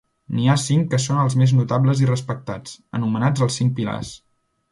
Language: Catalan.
N'hi ha cinc que són els més notables i respectats, anomenats els cinc pilars.